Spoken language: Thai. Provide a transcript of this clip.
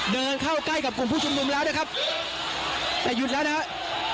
เดินเข้าใกล้กับกลุ่มผู้ชุมนุมแล้วนะครับแต่หยุดแล้วนะครับ